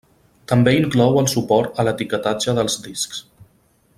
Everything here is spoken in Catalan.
També inclou el suport a l'etiquetatge dels discs.